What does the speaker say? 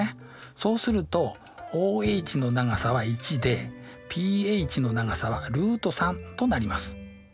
そうするとＯＨの長さは１でＰＨの長さはルート３となります。